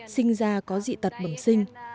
sinh ra có dị tật bẩm sinh